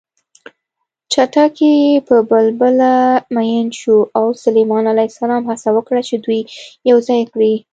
چتکي په بلبله مین شو او سلیمان ع هڅه وکړه چې دوی یوځای کړي